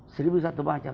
seribu satu macam